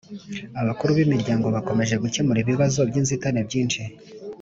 abakuru b' imiryango bakomeje gukemura ibibazo by' inzitane byinshi